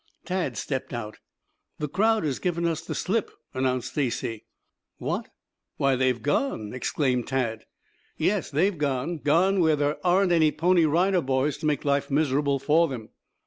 Tad stepped out. "The crowd has given us the slip," announced Stacy. "What why they've gone!" exclaimed Tad. "Yes, they've gone. Gone where there aren't any Pony Rider Boys to make life miserable for them."